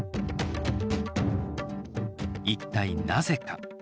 一体なぜか。